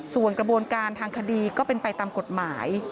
ส่วนกระบวนการทางคดีก็เป็นไปตามกฎหมาย